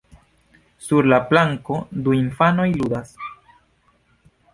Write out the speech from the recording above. Sur la planko, du infanoj ludas.